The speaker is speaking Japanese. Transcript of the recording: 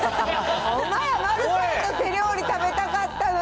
ほんまや、丸ちゃんの手料理食べたかったのに。